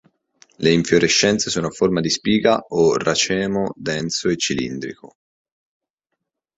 Le infiorescenze sono a forma di spiga o racemo denso e cilindrico.